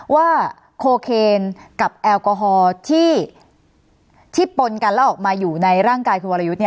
ว่าโคเคนกับแอลกอฮอล์ที่ปนกันแล้วออกมาอยู่ในร่างกายคุณวรยุทธ์